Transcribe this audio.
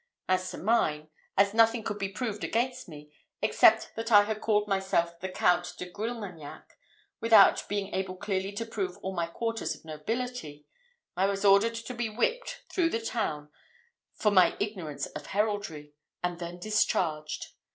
As to mine, as nothing could be proved against me, except that I had called myself the Count de Grilmagnac without being able clearly to prove all my quarters of nobility, I was ordered to be whipped through the town for my ignorance of heraldry, and then discharged.